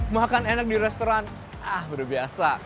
makan enak di restoran ah berbiasa